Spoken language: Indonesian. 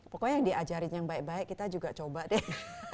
pokoknya yang diajarin yang baik baik kita juga coba deh